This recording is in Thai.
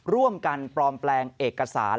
ร่วมกันปลอมแปลงเอกสาร